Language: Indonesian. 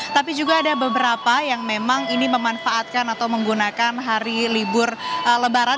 tapi juga ada beberapa yang memang ini memanfaatkan atau menggunakan hari libur lebaran